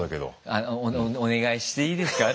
「あのお願いしていいですか」